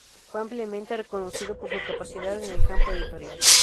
Fue ampliamente reconocido por su capacidad en el campo editorial.